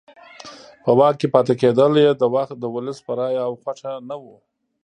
په واک کې پاتې کېدل یې د ولس په رایه او خوښه نه وو.